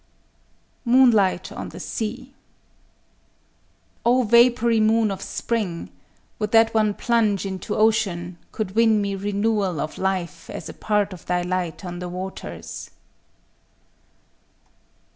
_ MOONLIGHT ON THE SEA _O vapory moon of spring!—would that one plunge into ocean Could win me renewal of life as a part of thy light on the waters!